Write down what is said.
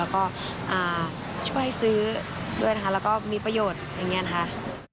ก็ช่วยซื้อด้วยนะคะมีประโยชน์อย่างเนี่ยนะคะ